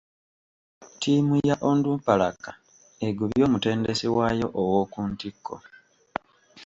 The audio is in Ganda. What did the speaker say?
Ttiimu ya Onduparaka egobye omutendesi waayo owokuntikko.